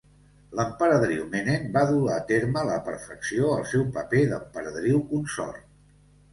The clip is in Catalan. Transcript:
L'emperadriu Menen va dur a terme a la perfecció el seu paper d'emperadriu consort.